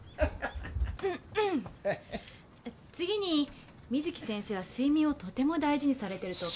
次に水木先生は睡眠をとても大事にされてるとか。